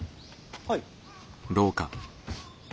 はい。